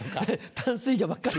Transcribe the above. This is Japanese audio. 淡水魚ばっかり。